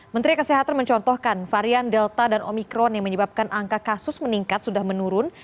menteri kesehatan mencontohkan varian delta dan omikron yang menyebabkan angka kasus meningkat sudah menurun